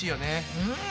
うん。